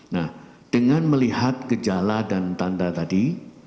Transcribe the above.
nah dengan melihat gejala dan tanda tadi